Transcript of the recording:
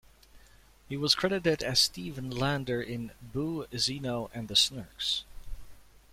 He was credited as Stephen Lander in "Boo, Zino and the Snurks".